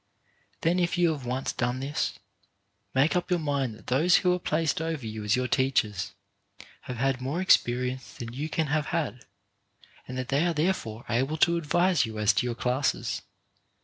Then, if you have once done this, make up your mind that SOME OF THE ROCKS AHEAD 21 those who are placed over you as your teachers have had more experience than you can have had, and that they are therefore able to advise you as to your classes.